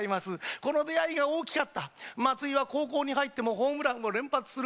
この出会いが大きかった松井は高校に入ってもホームランを連発する。